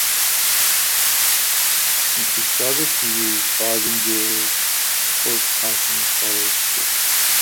When she started to use farthingales, court fashion followed suit.